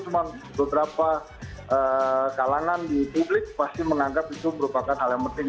cuman beberapa kalangan di publik pasti menganggap itu merupakan hal yang penting